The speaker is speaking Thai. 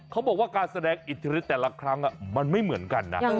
เขาบอกว่าการแสดงอิทธิฤทธิแต่ละครั้งมันไม่เหมือนกันนะ